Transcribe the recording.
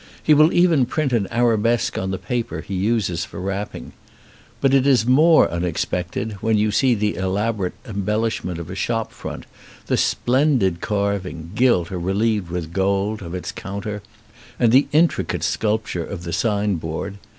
He will even print an arabesque on the paper he uses for wrapping. But it is more unexpected when you see the elaborate embellishment of a shop front, the splendid carving, gilt or relieved with gold, of its counter, and the intricate sculpture of the sign board.